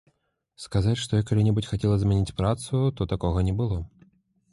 Сказаць, што я калі-небудзь хацела змяніць працу, то такога не было.